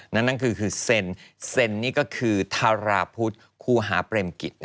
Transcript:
นั่นนั่นคือเซนนี่ก็คือทาราพุทธคู่หาเปรมกิต